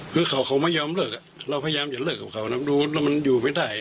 คือเขาไม่ยอมเลิกเราพยายามจะเลิกกับเขานะดูแล้วมันอยู่ไม่ได้